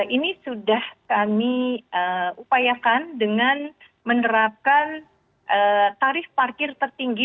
ini sudah kami upayakan dengan menerapkan tarif parkir tertinggi